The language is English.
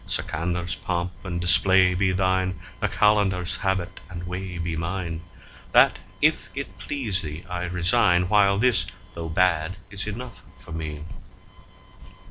Sikandar's3 pomp and display be thine, the Qalandar's4 habit and way be mine; That, if it please thee, I resign, while this, though bad, is enough for me.